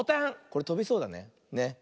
これとびそうだね。